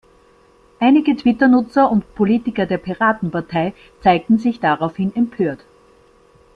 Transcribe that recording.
Einige Twitter-Nutzer und Politiker der Piratenpartei zeigten sich daraufhin empört.